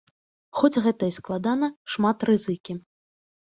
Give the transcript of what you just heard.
Хоць гэта і складана, шмат рызыкі.